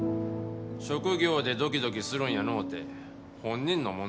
職業でドキドキするんやのうて本人の問題や。